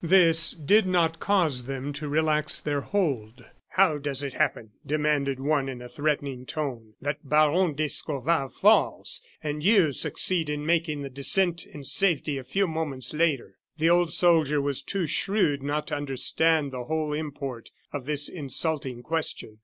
This did not cause them to relax their hold. "How does it happen," demanded one, in a threatening tone, "that Baron d'Escorval falls and you succeed in making the descent in safety a few moments later?" The old soldier was too shrewd not to understand the whole import of this insulting question.